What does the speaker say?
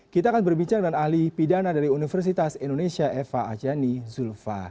kita akan berbicara dengan ahli pidana dari universitas indonesia eva ajani zulfa